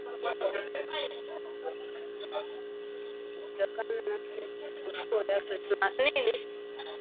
kutokana na siku kuu ya Krismasi